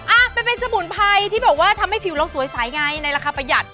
อ่ะมันเป็นสมุนไพรที่บอกว่าทำให้ผิวเราสวยใสไงในราคาประหยัด